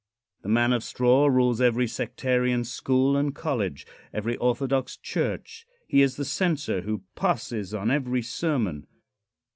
The man of straw rules every sectarian school and college every orthodox church. He is the censor who passes on every sermon.